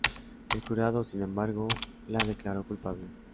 El jurado, sin embargo, la declaró culpable.